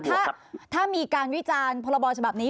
ถ้ามีการวิจารณ์พรบฉบับนี้